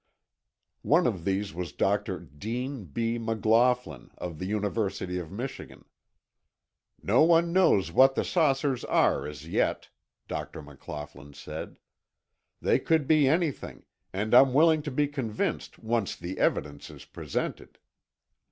One of these was Dr. Dean B. McLaughlin, of the University of Michigan. "No one knows what the saucers are as yet," Dr. McLaughlin said. "They could be anything, and I'm willing to be convinced once the evidence is presented."